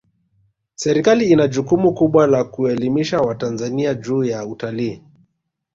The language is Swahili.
serikali ina jukumu kubwa la kuelimisha watanzania juu ya utalii